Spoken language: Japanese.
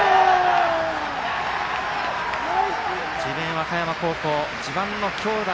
和歌山高校自慢の強打。